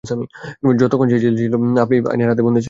যতক্ষণ সে জেলে ছিলো, আপনি আইনের হাতে বন্দী ছিলেন।